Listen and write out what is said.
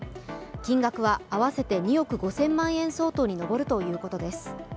金額は合わせて２億５０００万円相当に上るということです。